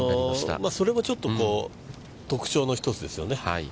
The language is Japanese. それもちょっと特徴の１つですよね。